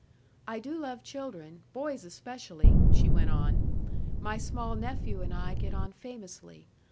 "I do love children, boys especially," she went on. "My small nephew and I get on famously.